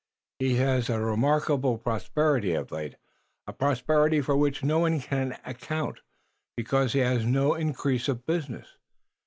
He has had remarkable prosperity of late, a prosperity for which no one can account, because he has had no increase of business.